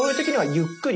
ゆっくり？